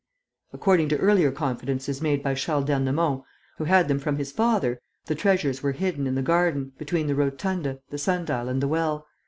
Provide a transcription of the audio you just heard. According to earlier confidences made by Charles d'Ernemont, who had them from his father, the treasures were hidden in the garden, between the rotunda, the sun dial and the well.